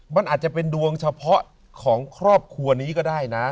มันอาจจะเป็นดวงเฉพาะของครอบครัวนี้ก็ได้นะ